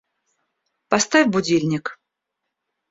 Поставь будильник